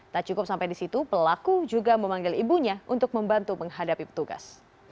tak cukup sampai di situ pelaku juga memanggil ibunya untuk membantu menghadapi petugas